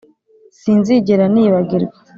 sinzigera nibagirwa